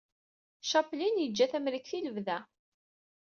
Chaplin yeǧǧa Tamrikt i lebda.